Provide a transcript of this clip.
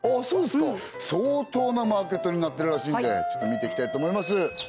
そうですか相当なマーケットになってるらしいんでちょっと見ていきたいと思います